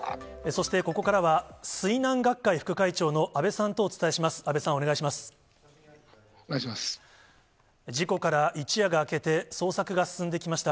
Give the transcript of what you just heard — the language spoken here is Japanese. そしてここからは、水難学会副会長の安倍さんとお伝えします。